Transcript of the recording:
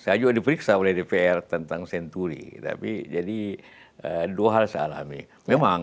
saya juga diperiksa oleh dpr tentang senturi tapi jadi dua hal saya alami memang